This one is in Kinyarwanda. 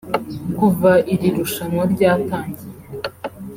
Kuva iri rushanwa ryatangiye